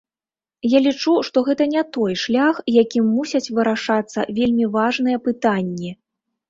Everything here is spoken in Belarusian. Я лічу, што гэта не той шлях, якім мусяць вырашацца вельмі важныя пытанні.